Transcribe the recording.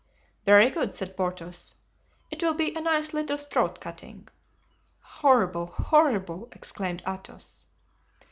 "Very good," said Porthos; "it will be a nice little throat cutting." "Horrible, horrible," exclaimed Athos.